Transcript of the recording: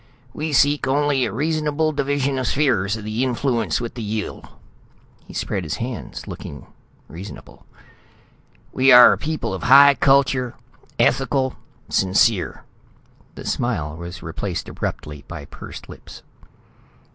"We seek only a reasonable division of spheres of influence with the Yill." He spread his hands, looking reasonable. "We are a people of high culture, ethical, sincere." The smile was replaced abruptly by pursed lips.